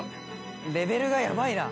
レベルがヤバいな。